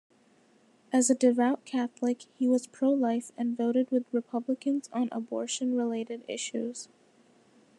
As a devout Catholic, he was pro-life and voted with Republicans on abortion-related issues.